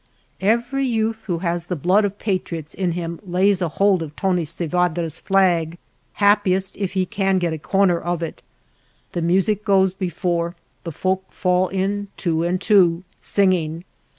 Every youth who has the blood of patriots in him lays ahold on Tony Sevadra 's flag, happiest if he can sfet a corner of it. The music goes before, the folk fall in two and two, singing.